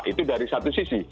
itu dari satu sisi